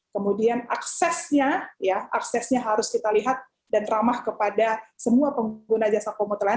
kemudian aksesnya ya aksesnya harus kita lihat dan ramah kepada semua pengguna jasa komuter lain